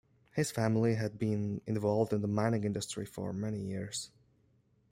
His family had been involved in the mining industry for many years.